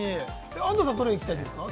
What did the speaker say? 安藤さん、どれ行きたいですか？